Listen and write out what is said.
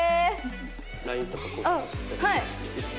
ＬＩＮＥとか交換させて頂いていいですか？